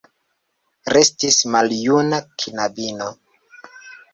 Resti maljuna knabino.